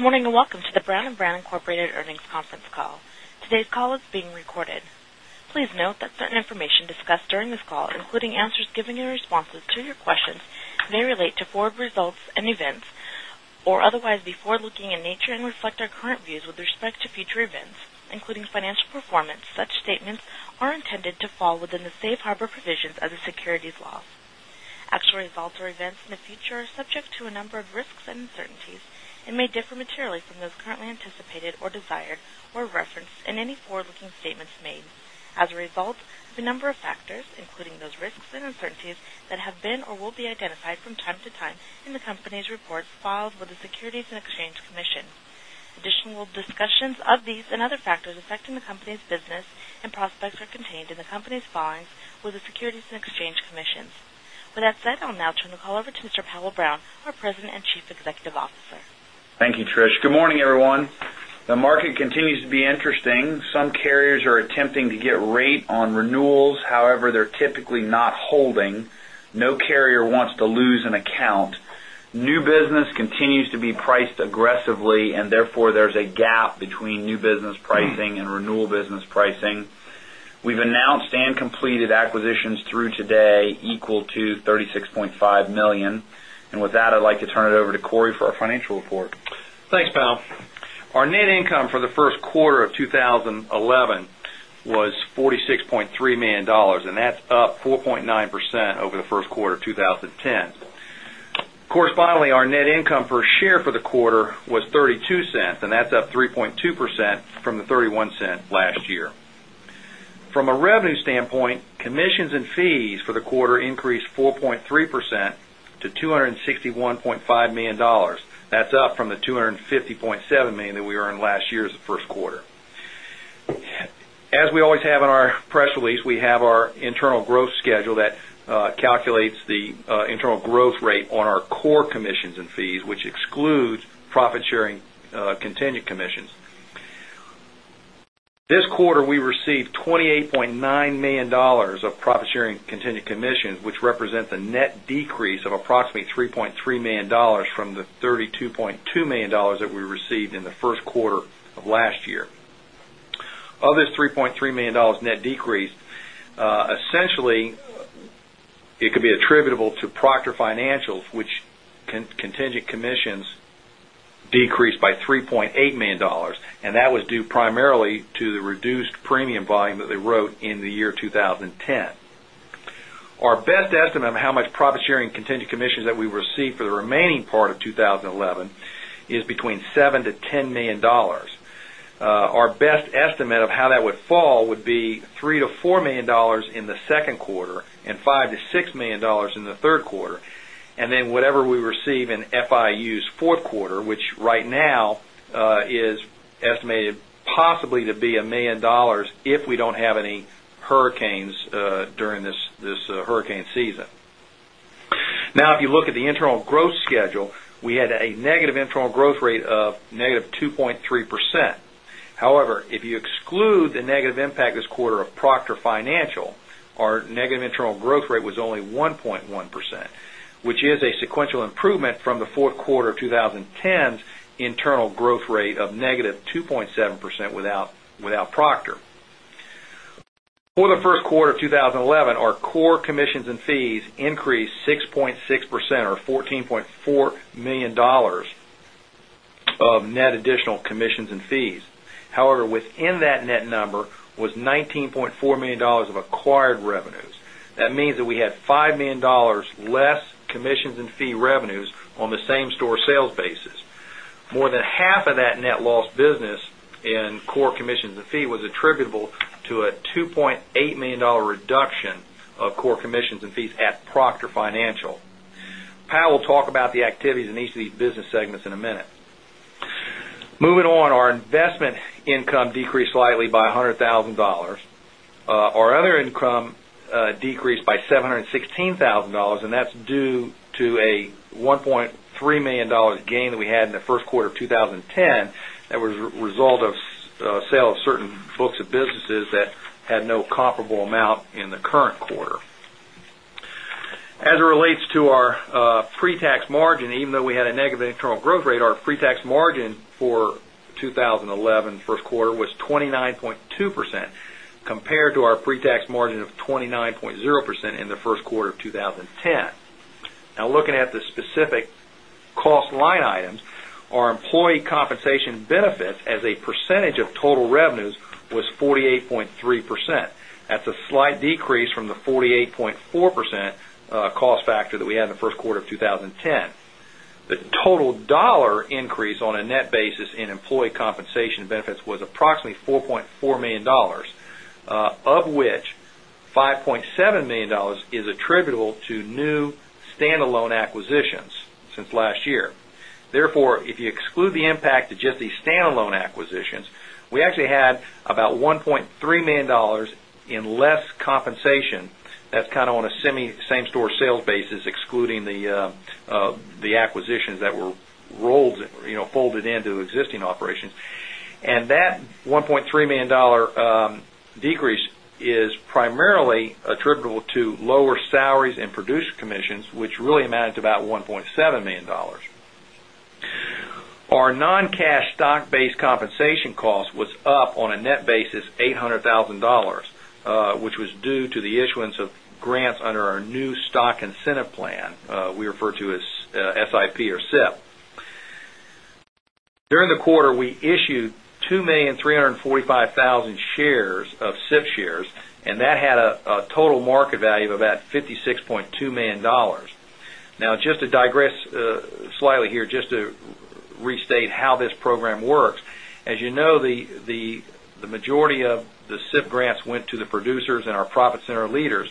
Good morning, and welcome to the Brown & Brown, Inc. earnings conference call. Today's call is being recorded. Please note that certain information discussed during this call, including answers given in responses to your questions, may relate to forward results and events or otherwise be forward-looking in nature and reflect our current views with respect to future events, including financial performance. Such statements are intended to fall within the safe harbor provisions of the securities laws. Actual results or events in the future are subject to a number of risks and uncertainties and may differ materially from those currently anticipated or desired or referenced in any forward-looking statements made. As a result, the number of factors, including those risks and uncertainties that have been or will be identified from time to time in the company's reports filed with the Securities and Exchange Commission. Additional discussions of these and other factors affecting the company's business and prospects are contained in the company's filings with the Securities and Exchange Commission. With that said, I'll now turn the call over to Mr. Powell Brown, our President and Chief Executive Officer. Thank you, Trish. Good morning, everyone. The market continues to be interesting. Some carriers are attempting to get rate on renewals. However, they're typically not holding. No carrier wants to lose an account. New business continues to be priced aggressively, therefore there's a gap between new business pricing and renewal business pricing. We've announced and completed acquisitions through today equal to $36.5 million. With that, I'd like to turn it over to Cory for our financial report. Thanks, Powell. Our net income for the first quarter of 2011 was $46.3 million. That's up 4.9% over the first quarter of 2010. Correspondingly, our net income per share for the quarter was $0.32. That's up 3.2% from the $0.31 last year. From a revenue standpoint, commissions and fees for the quarter increased 4.3% to $261.5 million. That's up from the $250.7 million that we were in last year's first quarter. As we always have in our press release, we have our internal growth schedule that calculates the internal growth rate on our core commissions and fees, which excludes profit-sharing contingent commissions. This quarter, we received $28.9 million of profit-sharing contingent commissions, which represents a net decrease of approximately $3.3 million from the $32.2 million that we received in the first quarter of last year. Of this $3.3 million net decrease, essentially, it could be attributable to Proctor Financial, which contingent commissions decreased by $3.8 million, and that was due primarily to the reduced premium volume that they wrote in the year 2010. Our best estimate of how much profit-sharing contingent commissions that we receive for the remaining part of 2011 is between $7 million-$10 million. Our best estimate of how that would fall would be $3 million-$4 million in the second quarter and $5 million-$6 million in the third quarter, and then whatever we receive in FIU's fourth quarter, which right now is estimated possibly to be $1 million if we don't have any hurricanes during this hurricane season. If you look at the internal growth schedule, we had a negative internal growth rate of -2.3%. If you exclude the negative impact this quarter of Proctor Financial, our negative internal growth rate was only 1.1%, which is a sequential improvement from the fourth quarter 2010's internal growth rate of -2.7% without Proctor. For the first quarter of 2011, our core commissions and fees increased 6.6%, or $14.4 million of net additional commissions and fees. Within that net number was $19.4 million of acquired revenues. That means that we had $5 million less commissions and fee revenues on the same store sales basis. More than half of that net loss business in core commissions and fee was attributable to a $2.8 million reduction of core commissions and fees at Proctor Financial.Po Pwell will talk about the activities in each of these business segments in a minute. Our investment income decreased slightly by $100,000. Our other income decreased by $716,000, that's due to a $1.3 million gain that we had in the first quarter of 2010 that was a result of sale of certain books of businesses that had no comparable amount in the current quarter. As it relates to our pre-tax margin, even though we had a negative internal growth rate, our pre-tax margin for 2011 first quarter was 29.2% compared to our pre-tax margin of 29.0% in the first quarter of 2010. Looking at the specific cost line items, our employee compensation benefits as a percentage of total revenues was 48.3%. That's a slight decrease from the 48.4% cost factor that we had in the first quarter of 2010. The total dollar increase on a net basis in employee compensation benefits was approximately $4.4 million, of which $5.7 million is attributable to new standalone acquisitions since last year. If you exclude the impact of just these standalone acquisitions, we actually had about $1.3 million in less compensation. That's kind of on a semi same-store sales basis, excluding the acquisitions that were folded into existing operations. That $1.3 million decrease is primarily attributable to lower salaries and producer commissions, which really amounted to about $1.7 million. Our non-cash stock-based compensation cost was up on a net basis $800,000, which was due to the issuance of grants under our new stock incentive plan we refer to as SIP. During the quarter, we issued 2,345,000 shares of SIP shares, and that had a total market value of about $56.2 million. Just to digress slightly here, just to restate how this program works. As you know, the majority of the SIP grants went to the producers and our profit center leaders.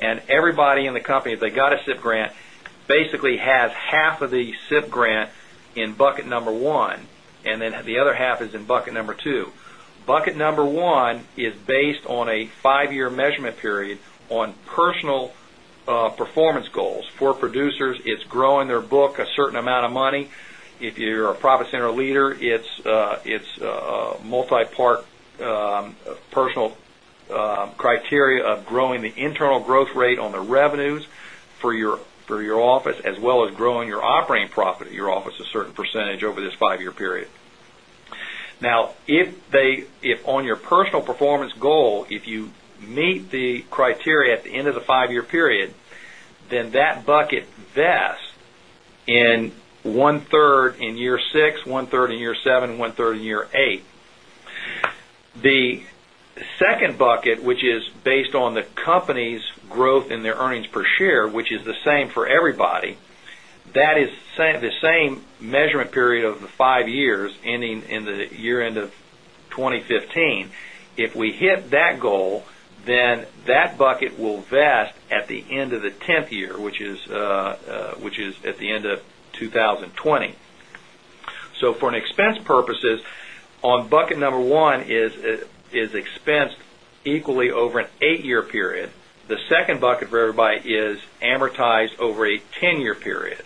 Everybody in the company, if they got a SIP grant, basically has half of the SIP grant in bucket number one, then the other half is in bucket number two. Bucket number one is based on a five-year measurement period on personal performance goals. For producers, it's growing their book a certain amount of money. If you're a profit center leader, it's a multi-part personal criteria of growing the internal growth rate on the revenues for your office, as well as growing your operating profit at your office a certain percentage over this five-year period. If on your personal performance goal, if you meet the criteria at the end of the five-year period, then that bucket vests in 1/3 in year 6, 1/3 in year 7, 1/3 in year 8. The second bucket, which is based on the company's growth in their earnings per share, which is the same for everybody. That is the same measurement period over the five years, ending in the year-end of 2015. If we hit that goal, then that bucket will vest at the end of the 10th year, which is at the end of 2020. For expense purposes, on bucket number one is expensed equally over an eight-year period. The second bucket for everybody is amortized over a 10-year period.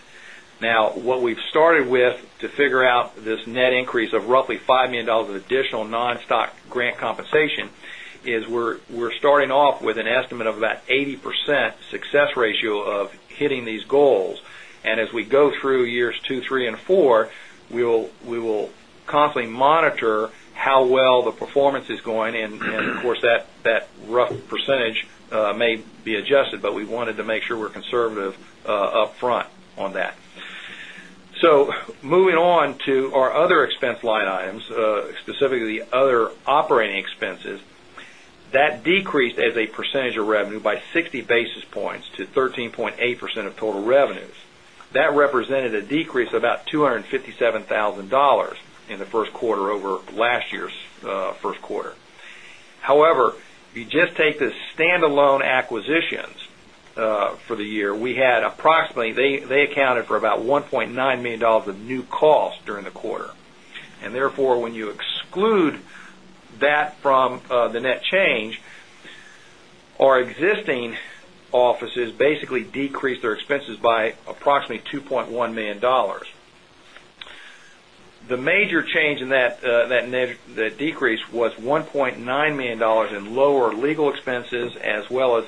What we've started with to figure out this net increase of roughly $5 million of additional non-stock grant compensation is we're starting off with an estimate of about 80% success ratio of hitting these goals. As we go through years 2, 3, and 4, we will constantly monitor how well the performance is going. Of course, that rough percentage may be adjusted, but we wanted to make sure we're conservative upfront on that. Moving on to our other expense line items, specifically other operating expenses. That decreased as a percentage of revenue by 60 basis points to 13.8% of total revenues. That represented a decrease of about $257,000 in the first quarter over last year's first quarter. However, if you just take the standalone acquisitions for the year, they accounted for about $1.9 million of new costs during the quarter. Therefore, when you exclude that from the net change, our existing offices basically decreased their expenses by approximately $2.1 million. The major change in that decrease was $1.9 million in lower legal expenses, as well as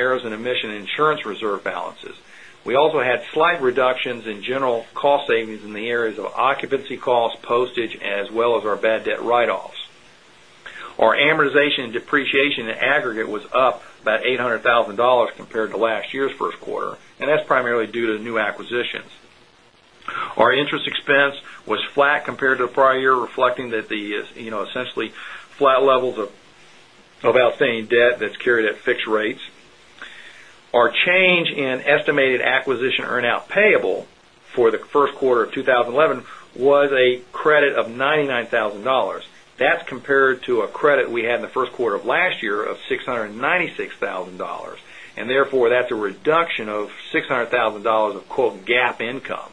errors and omission insurance reserve balances. We also had slight reductions in general cost savings in the areas of occupancy costs, postage, as well as our bad debt write-offs. Our amortization and depreciation in aggregate was up about $800,000 compared to last year's first quarter. That's primarily due to new acquisitions. Our interest expense was flat compared to the prior year, reflecting that the essentially flat levels of outstanding debt that's carried at fixed rates. Our change in estimated acquisition earnout payable for the first quarter of 2011 was a credit of $99,000. That's compared to a credit we had in the first quarter of last year of $696,000. Therefore, that's a reduction of $600,000 of "GAAP income."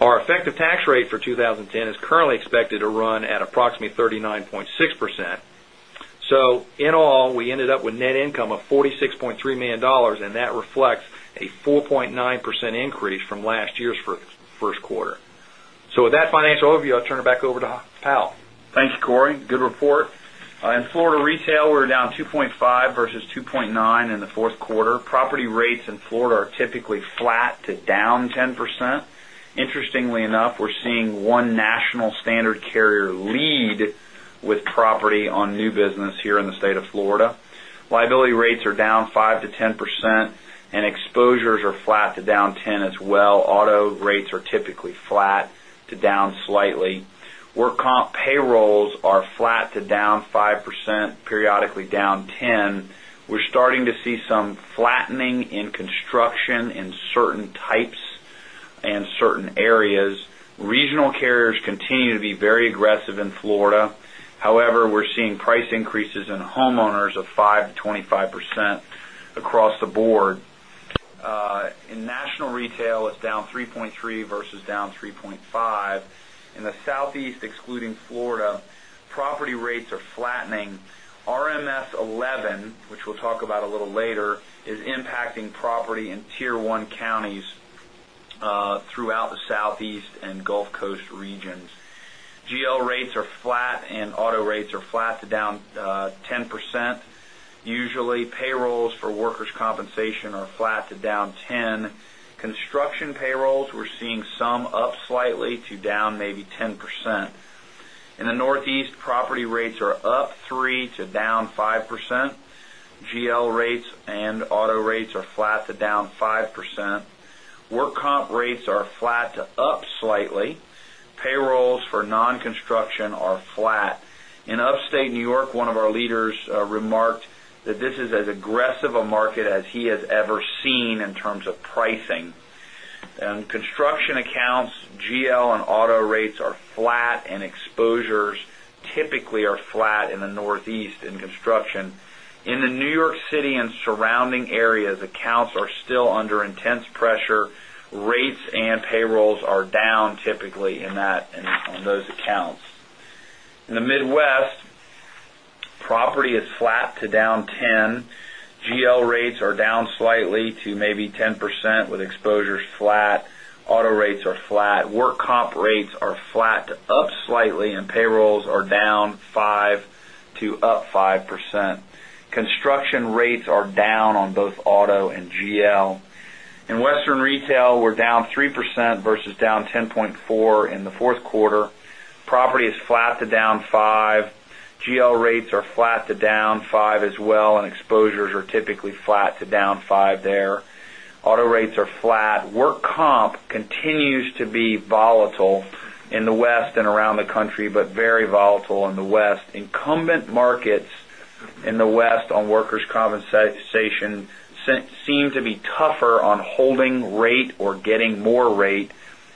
Our effective tax rate for 2010 is currently expected to run at approximately 39.6%. In all, we ended up with net income of $46.3 million, and that reflects a 4.9% increase from last year's first quarter. With that financial overview, I'll turn it back over to Powell. Thanks, Cory. Good report. In Florida retail, we're down 2.5% versus 2.9% in the fourth quarter. Property rates in Florida are typically flat to down 10%. Interestingly enough, we're seeing one national standard carrier lead with property on new business here in the state of Florida. Liability rates are down 5%-10%, and exposures are flat to down 10% as well. Auto rates are typically flat to down slightly. Work comp payrolls are flat to down 5%, periodically down 10%. We're starting to see some flattening in construction in certain types and certain areas. Regional carriers continue to be very aggressive in Florida. However, we're seeing price increases in homeowners of 5%-25% across the board. In national retail, it's down 3.3% versus down 3.5%. In the Southeast, excluding Florida, property rates are flattening. RMS v11, which we'll talk about a little later, is impacting property in Tier 1 counties throughout the Southeast and Gulf Coast regions. GL rates are flat and auto rates are flat to down 10%. Usually, payrolls for workers' compensation are flat to down 10%. Construction payrolls, we're seeing some up slightly to down maybe 10%. In the Northeast, property rates are up 3% to down 5%. GL rates and auto rates are flat to down 5%. Work comp rates are flat to up slightly. Payrolls for non-construction are flat. In Upstate New York, one of our leaders remarked that this is as aggressive a market as he has ever seen in terms of pricing. In construction accounts, GL and auto rates are flat, and exposures typically are flat in the Northeast in construction. In New York City and surrounding areas, accounts are still under intense pressure. Rates and payrolls are down typically on those accounts. In the Midwest, property is flat to down 10%. GL rates are down slightly to maybe 10%, with exposures flat. Auto rates are flat. Work comp rates are flat to up slightly, and payrolls are down 5% to up 5%. Construction rates are down on both auto and GL. In Western retail, we're down 3% versus down 10.4% in the fourth quarter. Property is flat to down 5%. GL rates are flat to down 5% as well, and exposures are typically flat to down 5% there. Auto rates are flat. Work comp continues to be volatile in the West and around the country, but very volatile in the West. Incumbent markets in the West on workers' compensation seem to be tougher on holding rate or getting more rate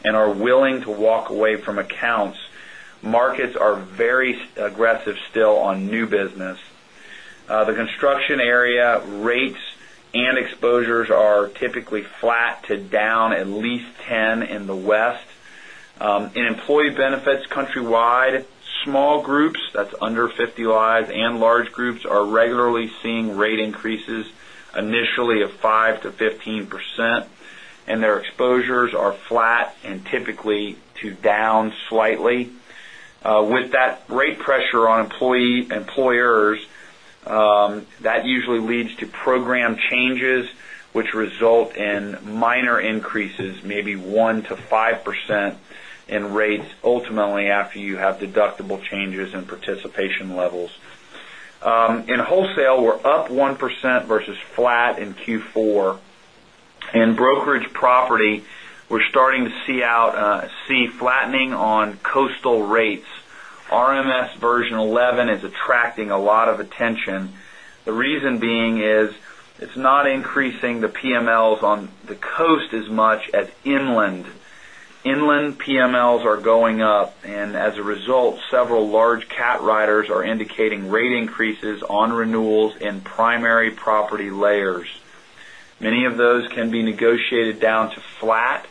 and are willing to walk away from accounts. Markets are very aggressive still on new business. The construction area rates and exposures are typically flat to down at least 10% in the West. In employee benefits countrywide, small groups, that's under 50 lives, and large groups are regularly seeing rate increases initially of 5%-15%, and their exposures are flat and typically to down slightly. With that rate pressure on employers, that usually leads to program changes, which result in minor increases, maybe 1%-5% in rates ultimately after you have deductible changes in participation levels. In wholesale, we're up 1% versus flat in Q4. In brokerage property, we're starting to see flattening on coastal rates. RMS version 11 is attracting a lot of attention. The reason being is it's not increasing the PMLs on the coast as much as inland. Inland PMLs are going up. As a result, several large cat writers are indicating rate increases on renewals in primary property layers. Many of those can be negotiated down to flat,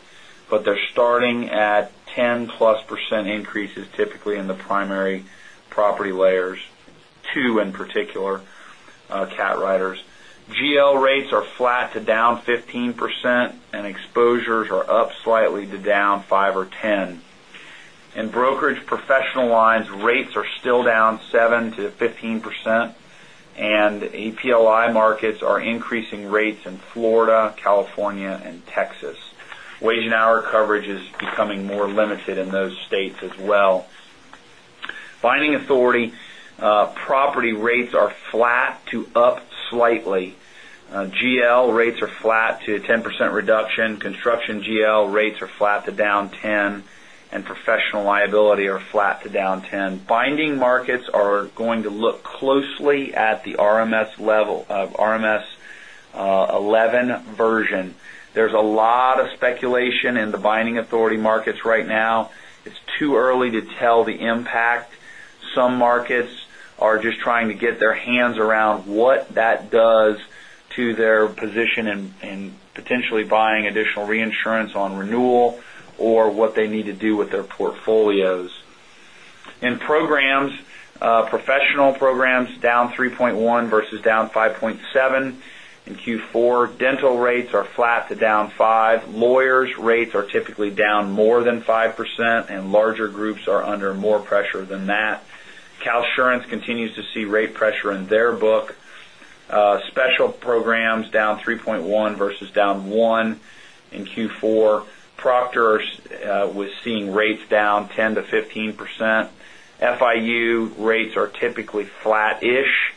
but they're starting at 10%+ increases, typically in the primary property layers, two in particular cat writers. GL rates are flat to down 15%, and exposures are up slightly to down 5% or 10%. In brokerage professional lines, rates are still down 7%-15%, and PLI markets are increasing rates in Florida, California, and Texas. Wage and hour coverage is becoming more limited in those states as well. Binding authority property rates are flat to up slightly. GL rates are flat to 10% reduction. Construction GL rates are flat to down 10%, and professional liability are flat to down 10%. Binding markets are going to look closely at the RMS level of RMS 11 version. There's a lot of speculation in the binding authority markets right now. It's too early to tell the impact. Some markets are just trying to get their hands around what that does to their position in potentially buying additional reinsurance on renewal or what they need to do with their portfolios. In programs, professional programs down 3.1 versus down 5.7 in Q4. Dental rates are flat to down 5%. Lawyers' rates are typically down more than 5%, and larger groups are under more pressure than that. CalSurance continues to see rate pressure in their book. Special programs down 3.1 versus down one in Q4. Proctor's was seeing rates down 10% to 15%. FIU rates are typically flat-ish.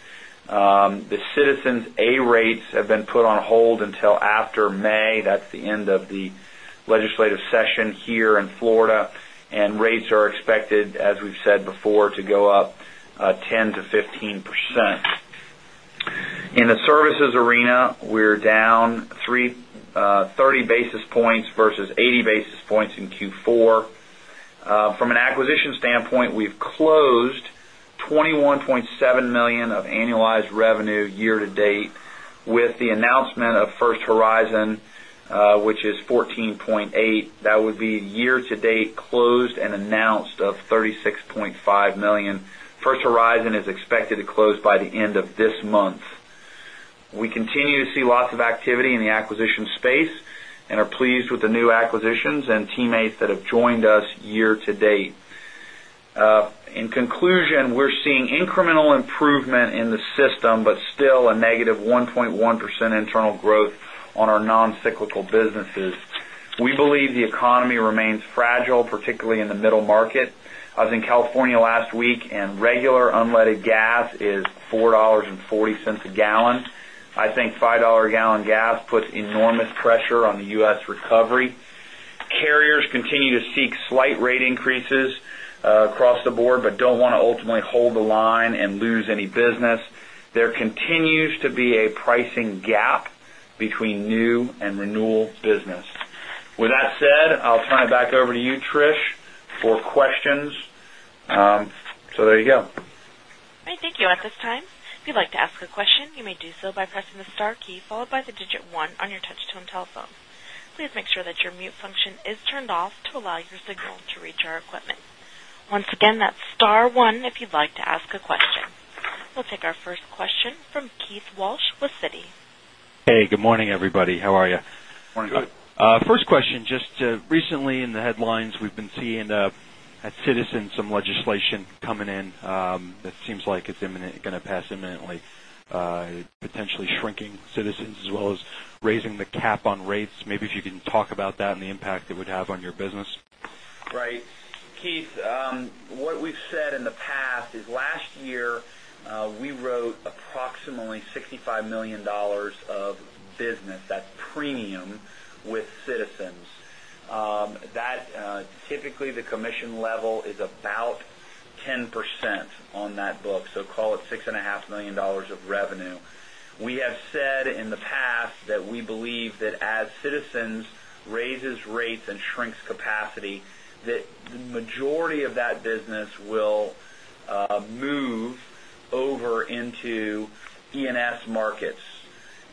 The Citizens' A rates have been put on hold until after May. That's the end of the legislative session here in Florida. Rates are expected, as we've said before, to go up 10% to 15%. In the services arena, we're down 30 basis points versus 80 basis points in Q4. From an acquisition standpoint, we've closed $21.7 million of annualized revenue year to date with the announcement of First Horizon, which is $14.8 million. That would be year to date closed and announced of $36.5 million. First Horizon is expected to close by the end of this month. We continue to see lots of activity in the acquisition space. Are pleased with the new acquisitions and teammates that have joined us year-to-date. In conclusion, we're seeing incremental improvement in the system, still a negative 1.1% internal growth on our non-cyclical businesses. We believe the economy remains fragile, particularly in the middle market. I was in California last week. Regular unleaded gas is $4.40 a gallon. I think $5 a gallon gas puts enormous pressure on the U.S. recovery. Carriers continue to seek slight rate increases across the board. Don't want to ultimately hold the line and lose any business. There continues to be a pricing gap between new and renewal business. With that said, I'll turn it back over to you, Trish, for questions. There you go. All right. Thank you. At this time, if you'd like to ask a question, you may do so by pressing the star key followed by the digit 1 on your touch tone telephone. Please make sure that your mute function is turned off to allow your signal to reach our equipment. Once again, that's star one, if you'd like to ask a question. We'll take our first question from Keith Walsh with Citi. Hey, good morning, everybody. How are you? Morning. Good. First question. Just recently in the headlines, we've been seeing, at Citizens, some legislation coming in that seems like it's going to pass imminently, potentially shrinking Citizens as well as raising the cap on rates. Maybe if you can talk about that and the impact it would have on your business. Right. Keith, what we've said in the past is, last year, we wrote approximately $65 million of business, that's premium, with Citizens. Typically, the commission level is about 10% on that book, so call it $6.5 million of revenue. We have said in the past that we believe that as Citizens raises rates and shrinks capacity, that the majority of that business will move over into E&S markets.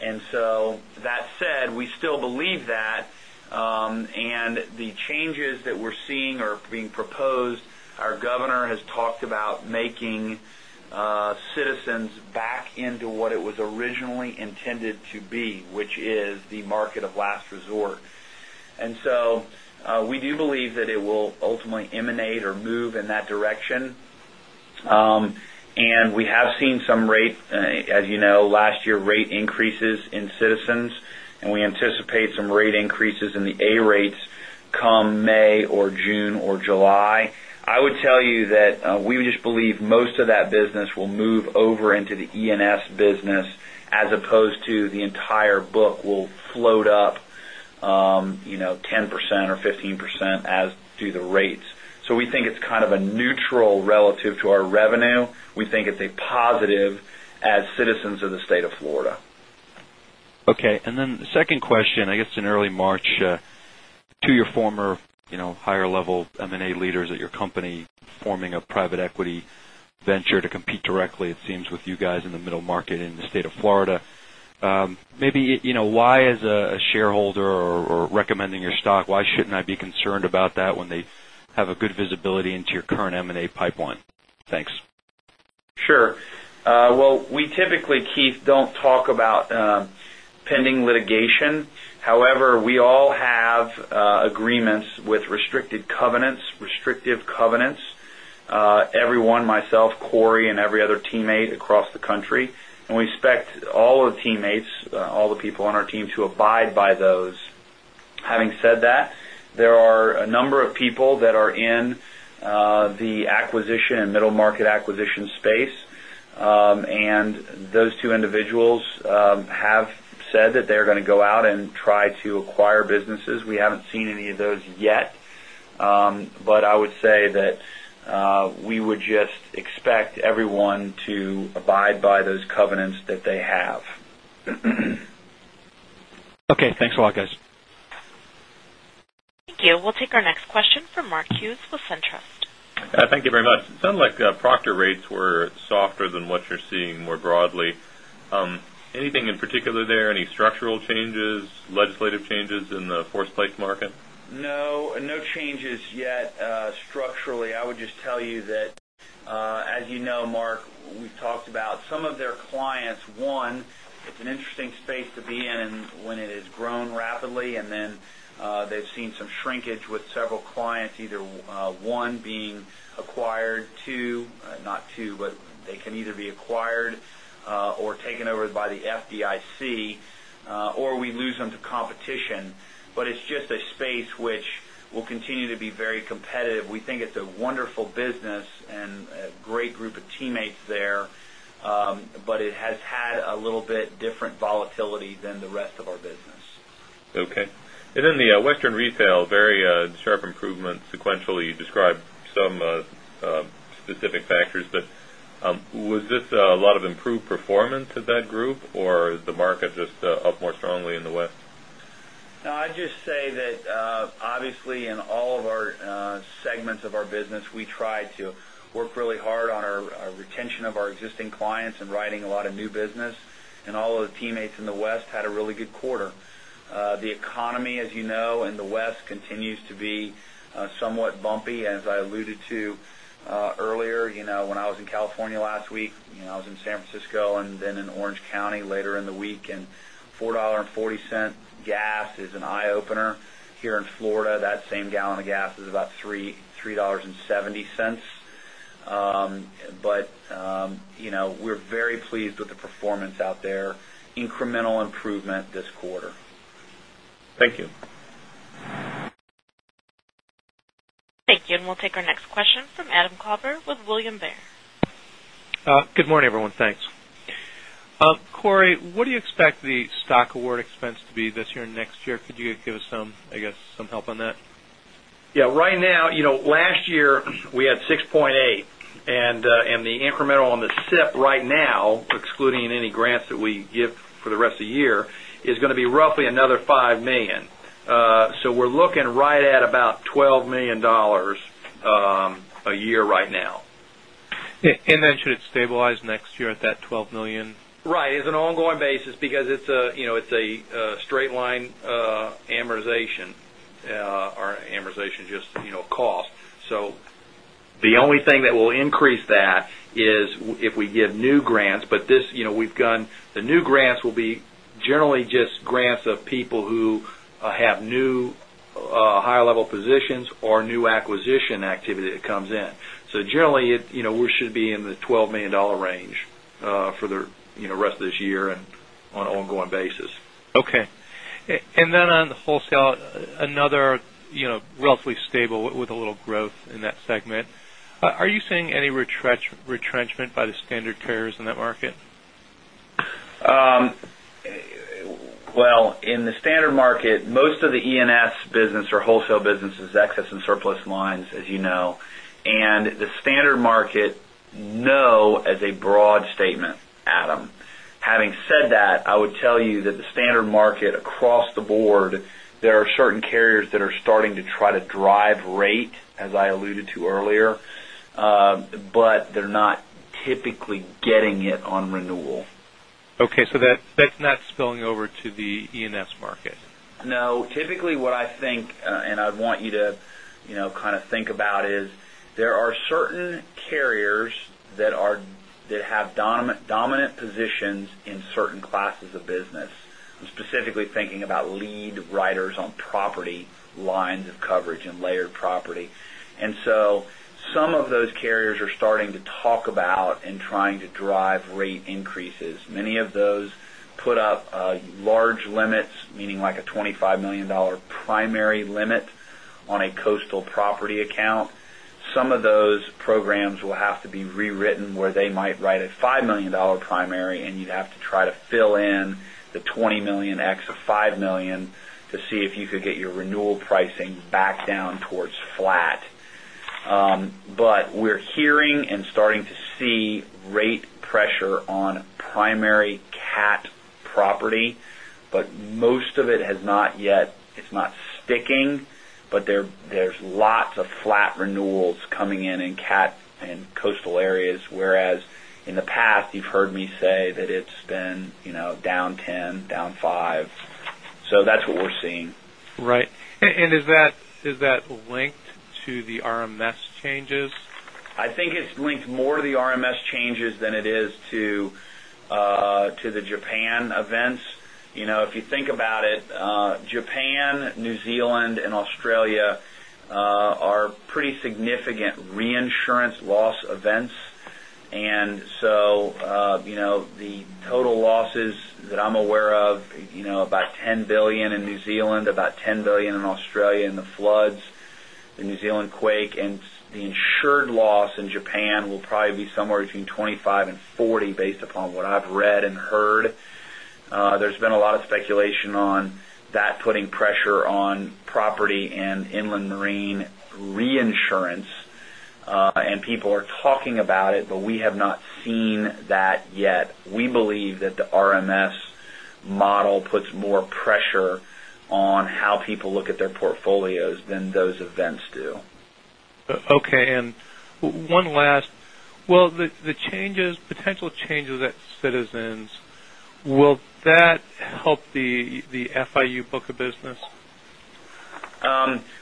That said, we still believe that, and the changes that we're seeing are being proposed. Our governor has talked about making Citizens back into what it was originally intended to be, which is the market of last resort. We do believe that it will ultimately emanate or move in that direction. We have seen some rate, as you know, last year, rate increases in Citizens, and we anticipate some rate increases in the A rates come May or June or July. I would tell you that we just believe most of that business will move over into the E&S business as opposed to the entire book will float up 10% or 15% as do the rates. We think it's kind of a neutral relative to our revenue. We think it's a positive as Citizens of the state of Florida. Okay, the second question, I guess in early March, two your former higher level M&A leaders at your company forming a private equity venture to compete directly, it seems, with you guys in the middle market in the state of Florida. Why, as a shareholder or recommending your stock, why shouldn't I be concerned about that when they have a good visibility into your current M&A pipeline? Thanks. Sure. Well, we typically, Keith, don't talk about pending litigation. However, we all have agreements with restrictive covenants. Everyone, myself, Cory, and every other teammate across the country. We expect all our teammates, all the people on our team to abide by those. Having said that, there are a number of people that are in the acquisition and middle market acquisition space. Those two individuals have said that they're going to go out and try to acquire businesses. We haven't seen any of those yet. I would say that we would just expect everyone to abide by those covenants that they have. Okay. Thanks a lot, guys. Thank you. We'll take our next question from Mark Hughes with SunTrust. Thank you very much. It sounded like Proctor rates were softer than what you're seeing more broadly. Anything in particular there? Any structural changes, legislative changes in the force place market? No changes yet structurally. I would just tell you that, as you know, Mark, we've talked about some of their clients. One, it's an interesting space to be in when it has grown rapidly, and then they've seen some shrinkage with several clients, either one being acquired, two, not two, but they can either be acquired or taken over by the FDIC, or we lose them to competition. It's just a space which will continue to be very competitive. We think it's a wonderful business and a great group of teammates there. It has had a little bit different volatility than the rest of our business. Okay. In the Western Retail, very sharp improvement sequentially. You described some specific factors, but was this a lot of improved performance of that group, or is the market just up more strongly in the West? I'd just say that, obviously, in all of our segments of our business, we try to work really hard on our retention of our existing clients and writing a lot of new business. All of the teammates in the West had a really good quarter. The economy, as you know, in the West continues to be somewhat bumpy, as I alluded to earlier. When I was in California last week, I was in San Francisco and then in Orange County later in the week, and $4.40 gas is an eye-opener. Here in Florida, that same gallon of gas is about $3.70. We're very pleased with the performance out there. Incremental improvement this quarter. Thank you. Thank you. We'll take our next question from Adam Klauber with William Blair. Good morning, everyone. Thanks. Cory, what do you expect the stock award expense to be this year and next year? Could you give us, I guess, some help on that? Last year, we had $6.8 million, the incremental on the SIP right now, excluding any grants that we give for the rest of the year, is going to be roughly another $5 million. We're looking right at about $12 million a year right now. Should it stabilize next year at that $12 million? Right. It's an ongoing basis because it's a straight line amortization. Or amortization, just cost. The only thing that will increase that is if we give new grants. The new grants will be generally just grants of people who have new higher-level positions or new acquisition activity that comes in. Generally, we should be in the $12 million range for the rest of this year and on an ongoing basis. Okay. On the wholesale, another relatively stable with a little growth in that segment. Are you seeing any retrenchment by the standard carriers in that market? Well, in the standard market, most of the E&S business or wholesale business is excess and surplus lines, as you know. The standard market, no, as a broad statement, Adam. Having said that, I would tell you that the standard market across the board, there are certain carriers that are starting to try to drive rate, as I alluded to earlier, but they're not typically getting it on renewal. Okay, that's not spilling over to the E&S market. No. Typically, what I think, I'd want you to kind of think about, is there are certain carriers that have dominant positions in certain classes of business. I'm specifically thinking about lead riders on property lines of coverage and layered property. Some of those carriers are starting to talk about and trying to drive rate increases. Many of those put up large limits, meaning like a $25 million primary limit on a coastal property account. Some of those programs will have to be rewritten, where they might write a $5 million primary, and you'd have to try to fill in the $20 million ex of $5 million to see if you could get your renewal pricing back down towards flat. We're hearing and starting to see rate pressure on primary cat property, but most of it's not sticking, but there's lots of flat renewals coming in cat and coastal areas, whereas in the past, you've heard me say that it's been down 10%, down 5%. That's what we're seeing. Right. Is that linked to the RMS changes? I think it's linked more to the RMS changes than it is to the Japan events. If you think about it, Japan, New Zealand, and Australia are pretty significant reinsurance loss events. The total losses that I'm aware of, about $10 billion in New Zealand, about $10 billion in Australia in the floods, the New Zealand quake, and the insured loss in Japan will probably be somewhere between $25 billion-$40 billion based upon what I've read and heard. There's been a lot of speculation on that putting pressure on property and inland marine reinsurance. People are talking about it, but we have not seen that yet. We believe that the RMS model puts more pressure on how people look at their portfolios than those events do. Okay. Well, the potential changes at Citizens, will that help the FIU book of business?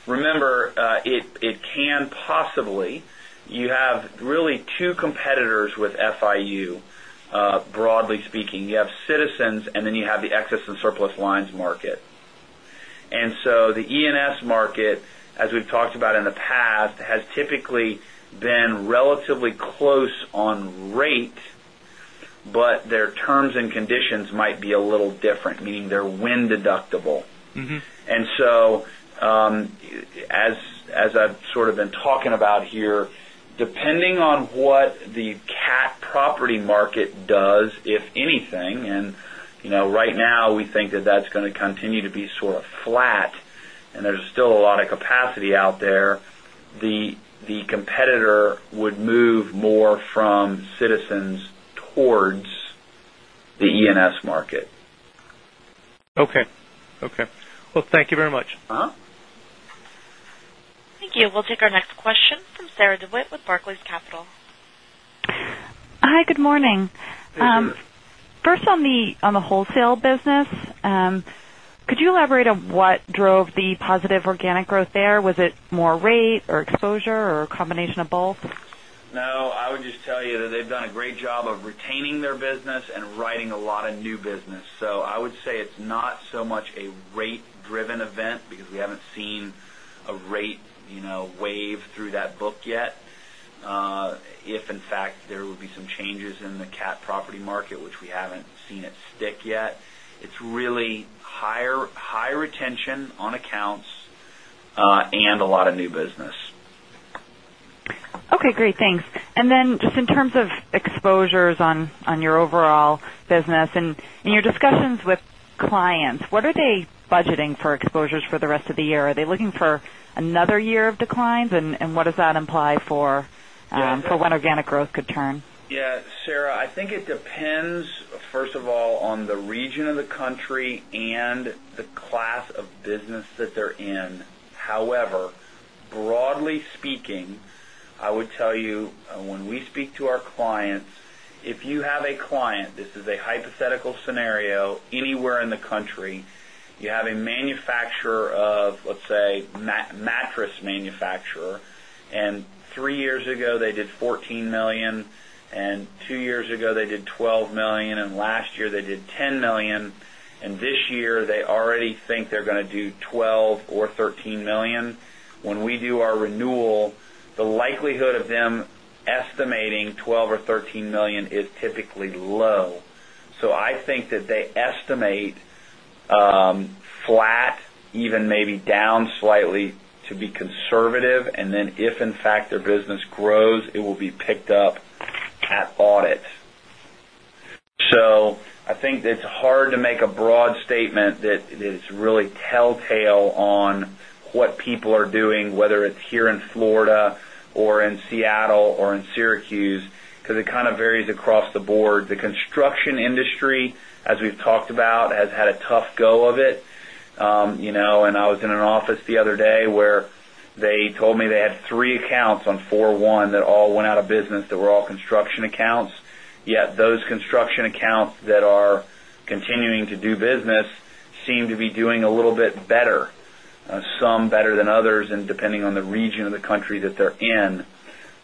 Remember, it can possibly. You have really two competitors with FIU, broadly speaking. You have Citizens, and then you have the excess and surplus lines market. The E&S market, as we've talked about in the past, has typically been relatively close on rate, but their terms and conditions might be a little different, meaning they're wind deductible. As I've sort of been talking about here, depending on what the cat property market does, if anything, and right now we think that that's going to continue to be sort of flat, and there's still a lot of capacity out there, the competitor would move more from Citizens towards the E&S market. Okay. Well, thank you very much. Thank you. We'll take our next question from Sarah DeWitt with Barclays Capital. Hi, good morning. Hey, Sarah. First, on the wholesale business, could you elaborate on what drove the positive organic growth there? Was it more rate or exposure or a combination of both? I would just tell you that they've done a great job of retaining their business and writing a lot of new business. I would say it's not so much a rate-driven event because we haven't seen a rate wave through that book yet. If in fact there will be some changes in the cat property market, which we haven't seen it stick yet. It's really higher retention on accounts, and a lot of new business. Okay, great. Thanks. Just in terms of exposures on your overall business and in your discussions with clients, what are they budgeting for exposures for the rest of the year? Are they looking for another year of declines? What does that imply for- Yeah. -when organic growth could turn? Sarah, I think it depends, first of all, on the region of the country and the class of business that they're in. However, broadly speaking, I would tell you when we speak to our clients, if you have a client, this is a hypothetical scenario, anywhere in the country, you have a manufacturer of, let's say, mattress manufacturer, and three years ago they did $14 million, and two years ago they did $12 million, and last year they did $10 million, and this year they already think they're going to do $12 million or $13 million. When we do our renewal, the likelihood of them estimating $12 million or $13 million is typically low. I think that they estimate flat, even maybe down slightly, to be conservative. If in fact their business grows, it will be picked up at audit. I think it's hard to make a broad statement that is really telltale on what people are doing, whether it's here in Florida or in Seattle or in Syracuse, because it kind of varies across the board. The construction industry, as we've talked about, has had a tough go of it. I was in an office the other day where they told me they had three accounts on 41 that all went out of business, that were all construction accounts, yet those construction accounts that are continuing to do business seem to be doing a little bit better, some better than others, and depending on the region of the country that they're in.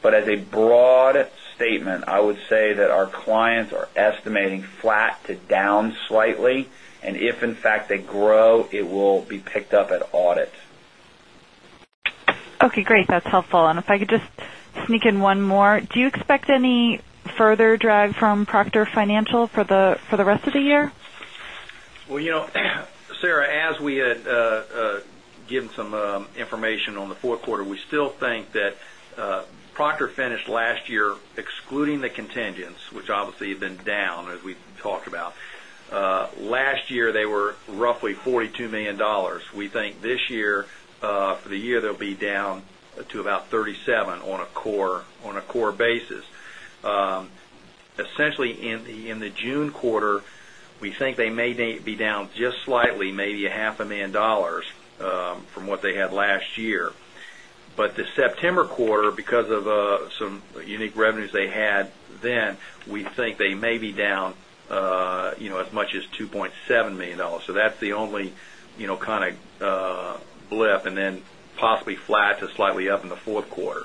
As a broad statement, I would say that our clients are estimating flat to down slightly, and if in fact they grow, it will be picked up at audit. Okay, great. That's helpful. If I could just sneak in one more. Do you expect any further drag from Proctor Financial for the rest of the year? Well, Sarah, as we had given some information on the 4th quarter, we still think that Proctor finished last year, excluding the contingents, which obviously have been down, as we've talked about. Last year, they were roughly $42 million. We think this year, for the year, they'll be down to about $37 million on a core basis. Essentially, in the June quarter, we think they may be down just slightly, maybe a $500,000 from what they had last year. The September quarter, because of some unique revenues they had then, we think they may be down as much as $2.7 million. That's the only kind of blip, and then possibly flat to slightly up in the 4th quarter.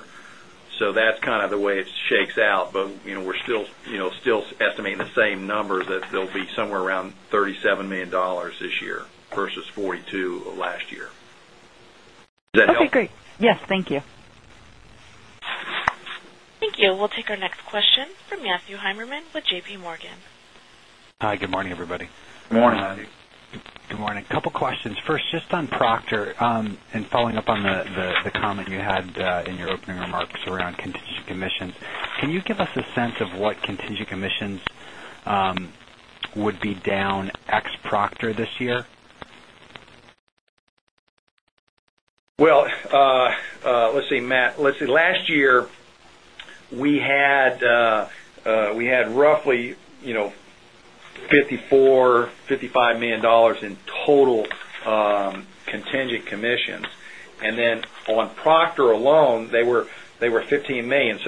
That's kind of the way it shakes out. We're still estimating the same numbers, that they'll be somewhere around $37 million this year versus $42 million last year. Does that help? Okay, great. Yes, thank you. Thank you. We'll take our next question from Matthew Heimerman with JPMorgan. Hi. Good morning, everybody. Morning. Good morning. A couple questions. First, just on Proctor, and following up on the comment you had in your opening remarks around contingent commissions, can you give us a sense of what contingent commissions would be down ex Proctor this year? Let's see, Matt. Let's see. Last year, we had roughly $54 million-$55 million in total contingent commissions. On Proctor alone, they were $15 million.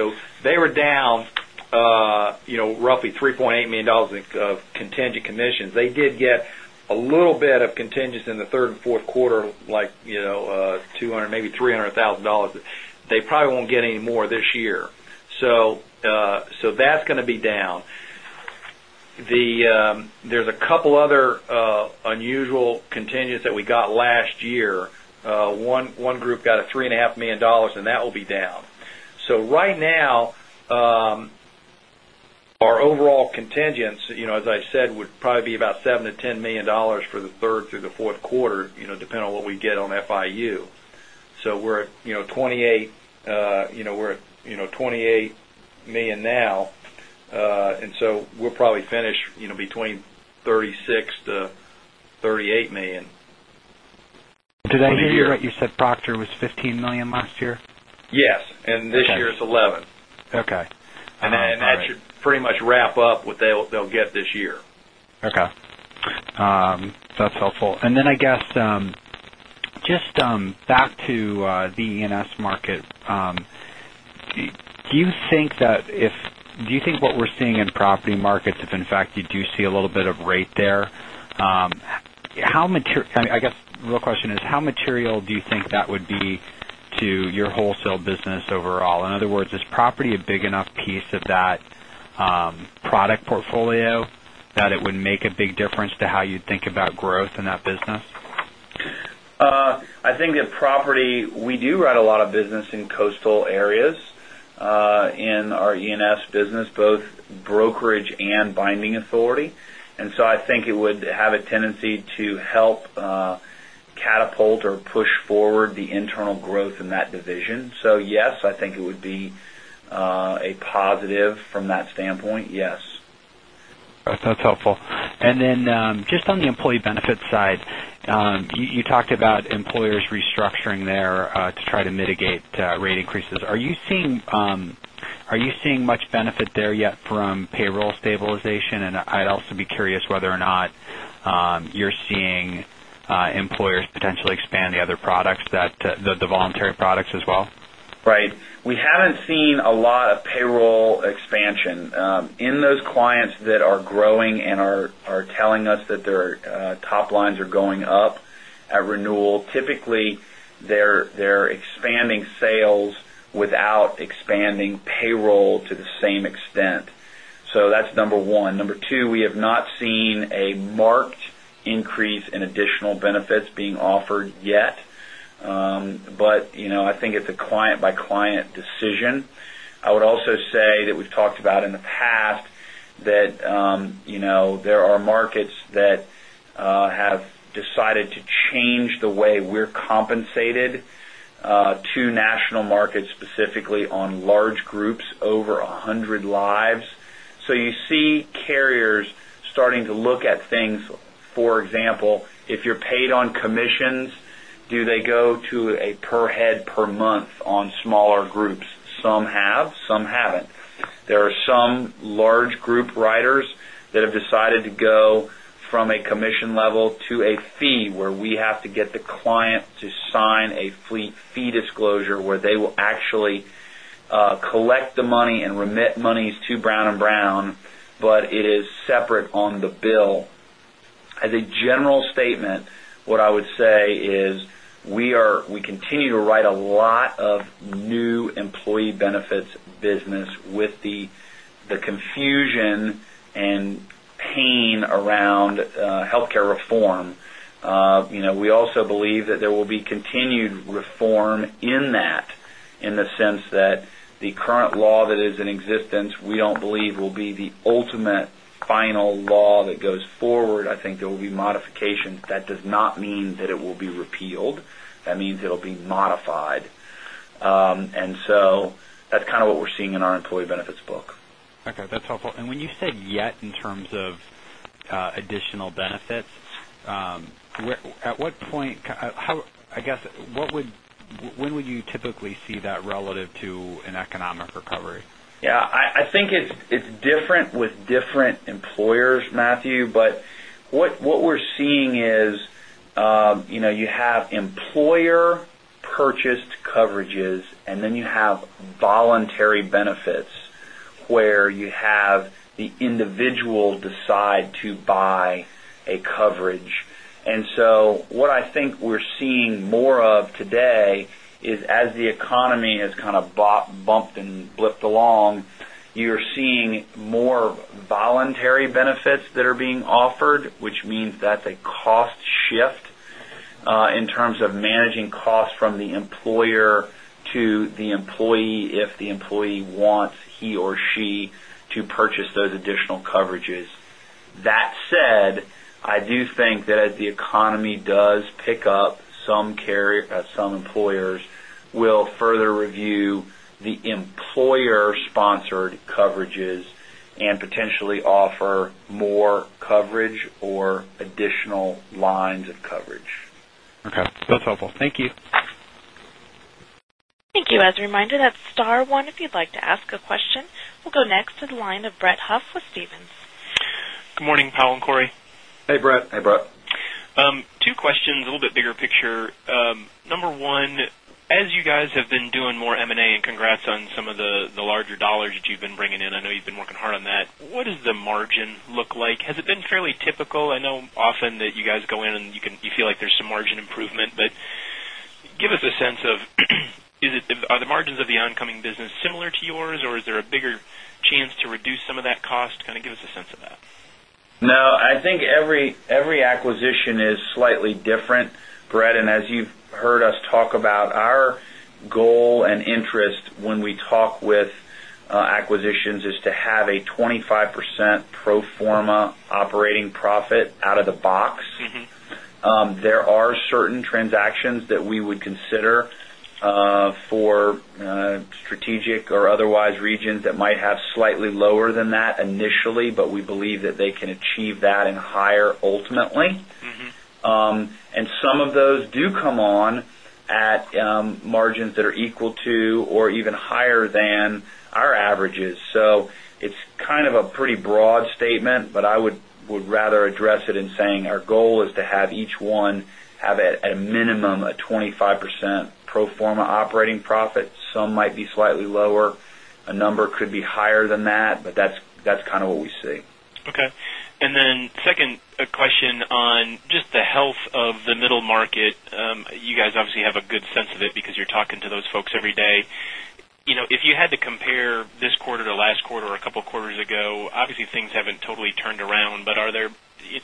They were down roughly $3.8 million of contingent commissions. They did get a little bit of contingents in the third and fourth quarter, like $200,000, maybe $300,000. They probably won't get any more this year. That's going to be down. There's a couple other unusual contingents that we got last year. One group got a $3.5 million, and that will be down. Right now, our overall contingents, as I said, would probably be about $7 million-$10 million for the third through the fourth quarter, depending on what we get on FIU. We're at $28 million now. We'll probably finish between $36 million-$38 million for the year. Did I hear you right? You said Proctor was $15 million last year? Yes. Okay. This year it's $11 million. Okay. All right. That should pretty much wrap up what they'll get this year. Okay. That's helpful. I guess, just back to the E&S market. Do you think what we're seeing in property markets, if in fact you do see a little bit of rate there, I guess real question is how material do you think that would be to your wholesale business overall? In other words, is property a big enough piece of that product portfolio that it would make a big difference to how you think about growth in that business? I think in property, we do write a lot of business in coastal areas in our E&S business, both brokerage and binding authority. I think it would have a tendency to help catapult or push forward the internal growth in that division. Yes, I think it would be a positive from that standpoint. Yes. That's helpful. Just on the employee benefits side, you talked about employers restructuring there to try to mitigate rate increases. Are you seeing much benefit there yet from payroll stabilization? I'd also be curious whether or not you're seeing employers potentially expand the other products, the voluntary products as well. Right. We haven't seen a lot of payroll expansion. In those clients that are growing and are telling us that their top lines are going up at renewal, typically, they're expanding sales without expanding payroll to the same extent. That's number one. Number two, we have not seen a marked increase in additional benefits being offered yet. I think it's a client-by-client decision. I would also say that we've talked about in the past that there are markets that have decided to change the way we're compensated to national markets, specifically on large groups over 100 lives. You see carriers starting to look at things. For example, if you're paid on commissions, do they go to a per head, per month on smaller groups? Some have, some haven't. There are some large group writers that have decided to go from a commission level to a fee, where we have to get the client to sign a fee disclosure where they will actually collect the money and remit monies to Brown & Brown, but it is separate on the bill. As a general statement, what I would say is, we continue to write a lot of new employee benefits business with the confusion and pain around healthcare reform. We also believe that there will be continued reform in that, in the sense that the current law that is in existence, we don't believe will be the ultimate final law that goes forward. I think there will be modifications. That does not mean that it will be repealed. That means it'll be modified. That's kind of what we're seeing in our employee benefits book. Okay, that's helpful. When you said yet, in terms of additional benefits, at what point, I guess, when would you typically see that relative to an economic recovery? Yeah. I think it's different with different employers, Matthew. What we're seeing is, you have employer-purchased coverages, and then you have voluntary benefits, where you have the individual decide to buy a coverage. What I think we're seeing more of today is, as the economy has kind of bumped and blipped along, you're seeing more voluntary benefits that are being offered, which means that's a cost shift in terms of managing costs from the employer to the employee, if the employee wants he or she to purchase those additional coverages. That said, I do think that as the economy does pick up, some employers will further review the employer-sponsored coverages and potentially offer more coverage or additional lines of coverage. Okay. That's helpful. Thank you. Thank you. As a reminder, that's star one if you'd like to ask a question. We'll go next to the line of Brett Huff with Stephens. Good morning, Powell and Cory. Hey, Brett. Hey, Brett. Two questions, a little bit bigger picture. Number one, as you guys have been doing more M&A, congrats on some of the larger dollars that you've been bringing in. I know you've been working hard on that. What does the margin look like? Has it been fairly typical? I know often that you guys go in, you feel like there's some margin improvement. Give us a sense of, are the margins of the oncoming business similar to yours, or is there a bigger chance to reduce some of that cost? Kind of give us a sense of that. No, I think every acquisition is slightly different, Brett. As you've heard us talk about our goal and interest when we talk with acquisitions is to have a 25% pro forma operating profit out of the box. There are certain transactions that we would consider for strategic or otherwise regions that might have slightly lower than that initially. We believe that they can achieve that and higher ultimately. Some of those do come on at margins that are equal to or even higher than our averages. It's kind of a pretty broad statement, but I would rather address it in saying our goal is to have each one have a minimum of 25% pro forma operating profit. Some might be slightly lower. A number could be higher than that, but that's kind of what we see. Okay. Second question on just the health of the middle market. You guys obviously have a good sense of it because you're talking to those folks every day. If you had to compare this quarter to last quarter or a couple quarters ago, obviously things haven't totally turned around, but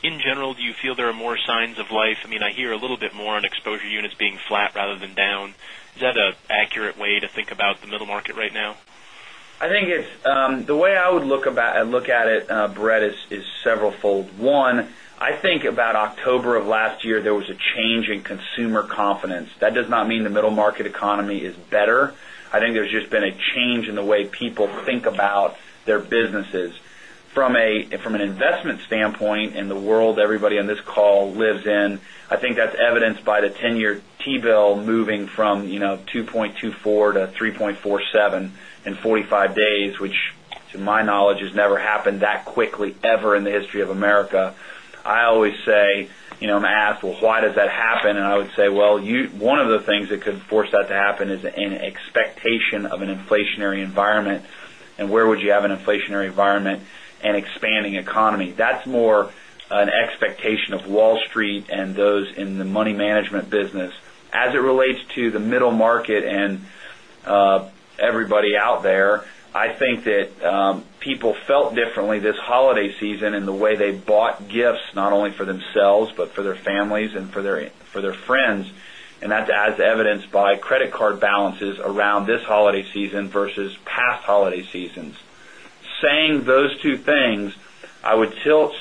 in general, do you feel there are more signs of life? I hear a little bit more on exposure units being flat rather than down. Is that an accurate way to think about the middle market right now? The way I would look at it, Brett, is severalfold. One, I think about October of last year, there was a change in consumer confidence. That does not mean the middle market economy is better. I think there's just been a change in the way people think about their businesses. From an investment standpoint, in the world everybody on this call lives in, I think that's evidenced by the 10-year T-bill moving from 2.24 to 3.47 in 45 days, which, to my knowledge, has never happened that quickly, ever in the history of America. I'm asked, "Well, why does that happen?" I would say, one of the things that could force that to happen is an expectation of an inflationary environment, and where would you have an inflationary environment and expanding economy? That's more an expectation of Wall Street and those in the money management business. As it relates to the middle market and everybody out there, I think that people felt differently this holiday season in the way they bought gifts, not only for themselves, but for their families and for their friends. That's as evidenced by credit card balances around this holiday season versus past holiday seasons. Saying those two things, I would still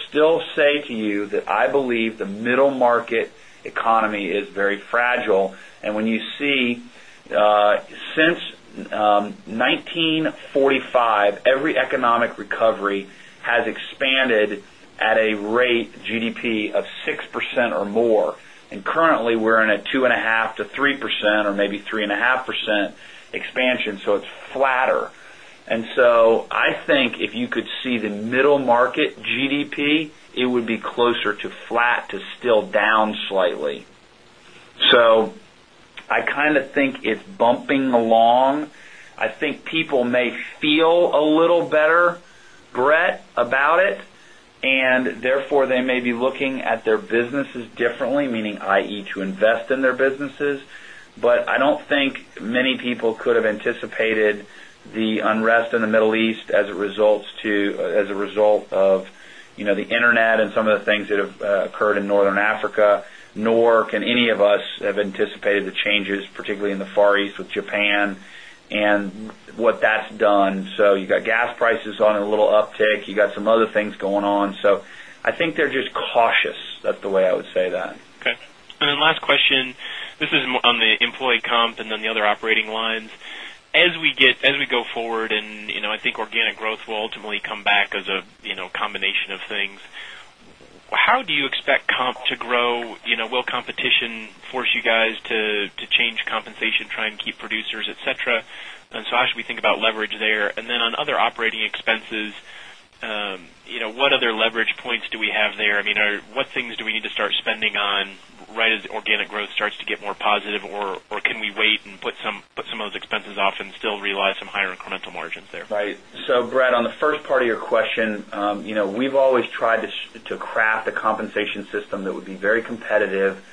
say to you that I believe the middle market economy is very fragile. When you see, since 1945, every economic recovery has expanded at a rate GDP of 6% or more. Currently, we're in a 2.5%-3%, or maybe 3.5% expansion, so it's flatter. I think if you could see the middle market GDP, it would be closer to flat to still down slightly. I kind of think it's bumping along. I think people may feel a little better, Brett, about it, therefore they may be looking at their businesses differently, meaning i.e., to invest in their businesses. I don't think many people could have anticipated the unrest in the Middle East as a result of the internet and some of the things that have occurred in Northern Africa, nor can any of us have anticipated the changes, particularly in the Far East with Japan, and what that's done. You've got gas prices on a little uptick. You got some other things going on. I think they're just cautious. That's the way I would say that. Okay. Last question. This is on the employee comp and then the other operating lines. As we go forward, I think organic growth will ultimately come back as a combination of things, how do you expect comp to grow? Will competition force you guys to change compensation, try and keep producers, et cetera? How should we think about leverage there? On other operating expenses, what other leverage points do we have there? What things do we need to start spending on right as organic growth starts to get more positive? Can we wait and put some of those expenses off and still realize some higher incremental margins there? Right. Brett, on the first part of your question, we've always tried to craft a compensation system that would be very competitive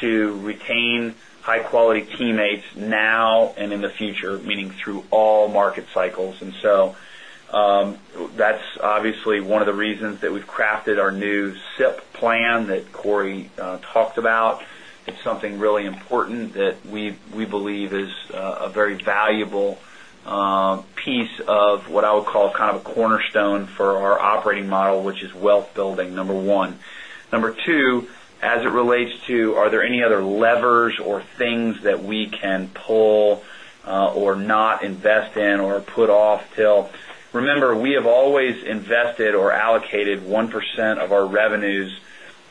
to retain high-quality teammates now and in the future, meaning through all market cycles. That's obviously one of the reasons that we've crafted our new SIP plan that Cory talked about. It's something really important that we believe is a very valuable piece of what I would call a cornerstone for our operating model, which is wealth building, number one. Number two, as it relates to, are there any other levers or things that we can pull or not invest in or put off till? Remember, we have always invested or allocated 1% of our revenues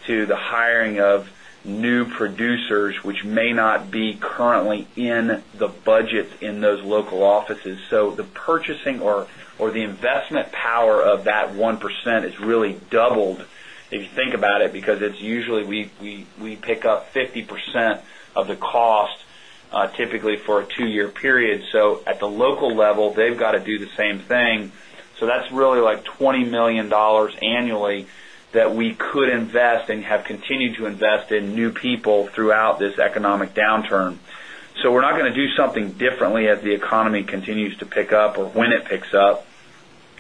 to the hiring of new producers, which may not be currently in the budget in those local offices. The purchasing or the investment power of that 1% has really doubled, if you think about it, because it's usually we pick up 50% of the cost, typically for a two-year period. At the local level, they've got to do the same thing. That's really like $20 million annually that we could invest and have continued to invest in new people throughout this economic downturn. We're not going to do something differently as the economy continues to pick up or when it picks up.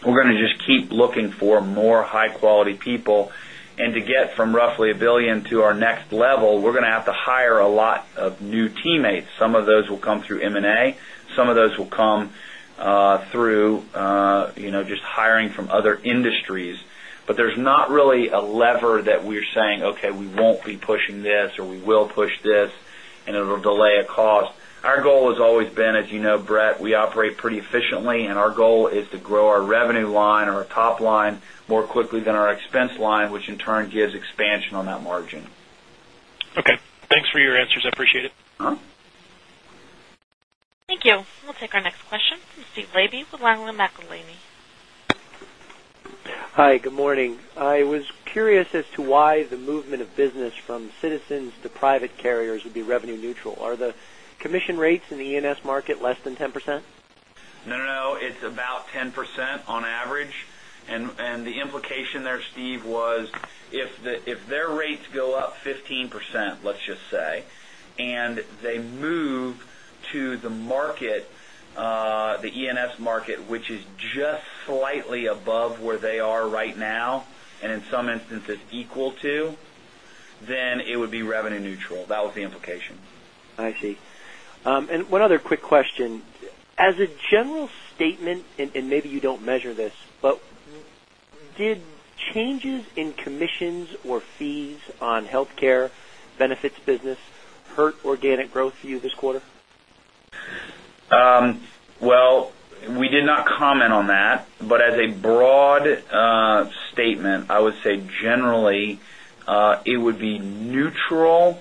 We're going to just keep looking for more high-quality people. To get from roughly a billion to our next level, we're going to have to hire a lot of new teammates. Some of those will come through M&A. Some of those will come through just hiring from other industries. There's not really a lever that we're saying, "Okay, we won't be pushing this," or, "We will push this, and it'll delay a cost." Our goal has always been, as you know, Brett, we operate pretty efficiently, and our goal is to grow our revenue line or our top line more quickly than our expense line, which in turn gives expansion on that margin. Okay. Thanks for your answers. I appreciate it. Thank you. We'll take our next question from Steve Laby with Langham Macklin & Kay. Hi, good morning. I was curious as to why the movement of business from Citizens to private carriers would be revenue neutral. Are the commission rates in the E&S market less than 10%? No, it's about 10% on average. The implication there, Steve, was if their rates go up 15%, let's just say, and they move to the market, the E&S market, which is just slightly above where they are right now, and in some instances equal to, then it would be revenue neutral. That was the implication. I see. One other quick question. As a general statement, and maybe you don't measure this, but did changes in commissions or fees on healthcare benefits business hurt organic growth for you this quarter? Well, we did not comment on that, but as a broad statement, I would say generally, it would be neutral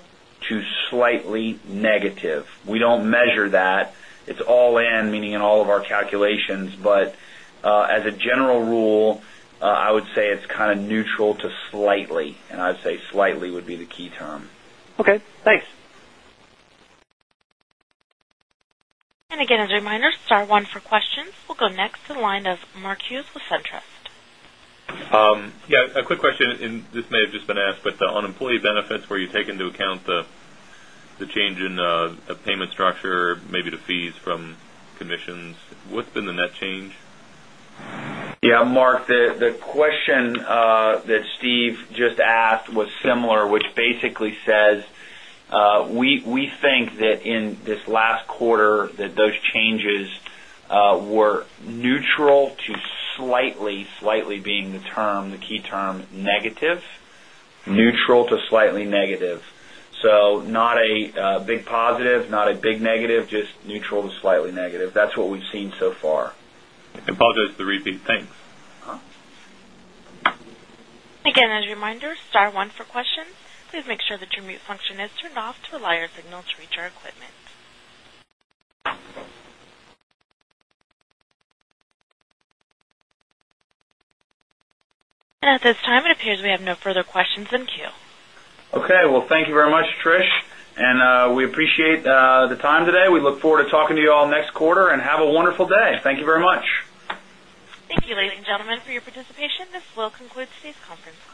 to slightly negative. We don't measure that. It's all in, meaning in all of our calculations. As a general rule, I would say it's kind of neutral to slightly, and I'd say slightly would be the key term. Okay, thanks. Again, as a reminder, star one for questions. We'll go next to the line of Mark Hughes with SunTrust. Yeah, a quick question, and this may have just been asked, but on employee benefits, where you take into account the change in the payment structure, maybe the fees from commissions, what's been the net change? Yeah, Mark, the question that Steve just asked was similar, which basically says, we think that in this last quarter, that those changes were neutral to slightly being the term, the key term, negative, neutral to slightly negative. Not a big positive, not a big negative, just neutral to slightly negative. That's what we've seen so far. I apologize for the repeat. Thanks. Again, as a reminder, star one for questions. Please make sure that your mute function is turned off to allow your signal to reach our equipment. At this time, it appears we have no further questions in queue. Okay. Well, thank you very much, Trish, and we appreciate the time today. We look forward to talking to you all next quarter, and have a wonderful day. Thank you very much. Thank you, ladies and gentlemen, for your participation. This will conclude today's conference call.